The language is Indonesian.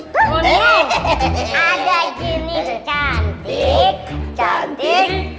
ada ginny cantik